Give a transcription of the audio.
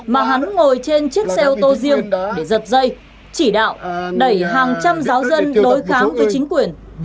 mà hắn ngồi trên chiếc xe ô tô riêng để giật dây chỉ đạo đẩy hàng trăm giáo dân đối kháng với chính quyền